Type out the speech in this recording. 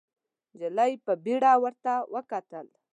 نجلۍ په بيړه ورته وکتل.